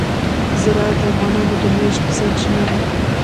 زراعت د افغانانو د معیشت سرچینه ده.